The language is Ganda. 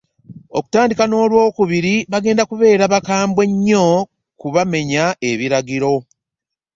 Kutandika n'olwokubiri, bagenda kubeera bakambwe nnyo ku bamenya ebiragiro